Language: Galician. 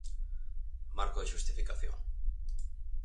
Marco de xustificación: